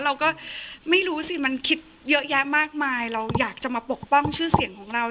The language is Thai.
เราก็ไม่รู้สิมันคิดเยอะแยะมากมายเราอยากจะมาปกป้องชื่อเสียงของเรา